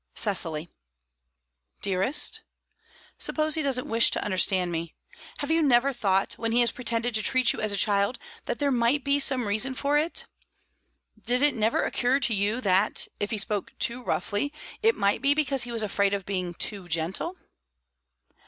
"Cecily." "Dearest?" "Suppose he doesn't wish to understand me. Have you never thought, when he has pretended to treat you as a child, that there might be some reason for it? Did it never occur to you that, if he spoke too roughly, it might be because he was afraid of being too gentle?"